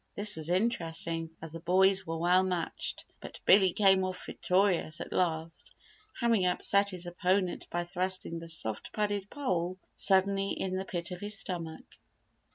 This was interesting as the boys were well matched, but Billy came off victorious at last, having upset his opponent by thrusting the soft padded pole suddenly in the pit of his stomach.